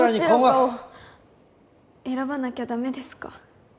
どちらかを選ばなきゃ駄目ですか？